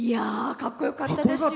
かっこよかったですよ。